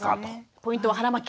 ポイントは腹巻き。